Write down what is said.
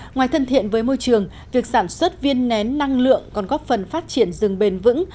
ngoài thân thiện với môi trường việc sản xuất viên nén năng lượng còn góp phần phát triển rừng bền vững